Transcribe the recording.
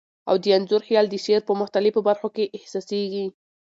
او د انځور خیال د شعر په مختلفو بر خو کي احسا سیږی.